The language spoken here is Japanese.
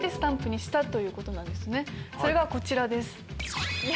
それがこちらです。